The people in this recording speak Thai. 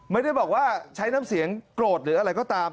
ไม่ได้บอกว่าใช้น้ำเสียงโกรธหรืออะไรก็ตาม